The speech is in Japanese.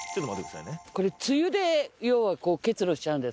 これ露で要は結露しちゃうんですかね？